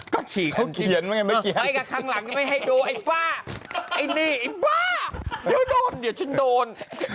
ก็ฉีกข้างหลังไม่ให้ดูไอ้บ้าไอ้นี่ไอ้บ้าเดี๋ยวโดนเดี๋ยวฉันโดน